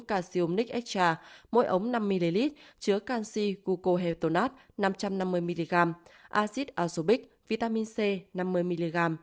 casium nick extra mỗi ống năm ml chứa canxi gucco heltonat năm trăm năm mươi mg acid azobic vitamin c năm mươi mg